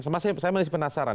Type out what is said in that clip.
saya masih penasaran